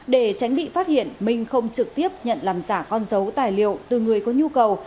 để tránh bị phát hiện minh không trực tiếp nhận làm giả con dấu tài liệu từ người có nhu cầu